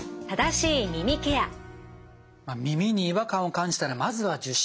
耳に違和感を感じたらまずは受診。